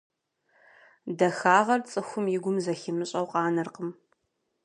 Дахагъэр цӀыхум и гум зэхимыщӀэу къанэркъым.